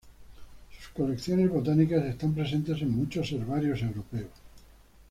Sus colecciones botánicas están presentes en muchos herbarios europeos.